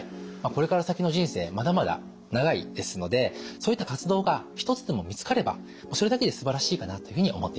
これから先の人生まだまだ長いですのでそういった活動が１つでも見つかればそれだけですばらしいかなというふうに思っています。